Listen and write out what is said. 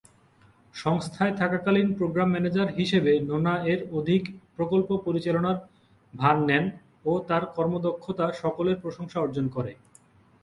সংস্থায় থাকাকালীন programme manager হিসাবে নোনা এর একাধিক প্রকল্প পরিচালনার ভার নেন ও তাঁর কর্মদক্ষতা সকলের প্রশংসা অর্জন করে।